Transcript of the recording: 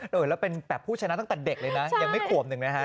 แล้วเป็นแบบผู้ชนะตั้งแต่เด็กเลยนะยังไม่ขวบหนึ่งนะฮะ